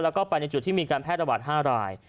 แล้วก็ไปในจุดที่มีการแพร่ระบาด๕ราย